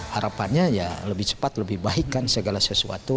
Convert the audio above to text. harapannya lebih cepat lebih baikkan segala sesuatu